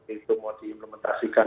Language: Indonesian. itu mau diimplementasikan